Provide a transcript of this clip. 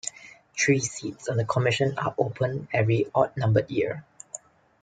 Three seats on the Commission are open every odd numbered year.